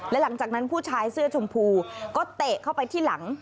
และหลังจากนั้นผู้ชายเสื้อชมพูก็เตะเข้าไปที่หลัง